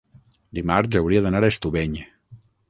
Dimarts hauria d'anar a Estubeny.